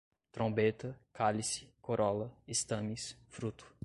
trombeta, cálice, corola, estames, fruto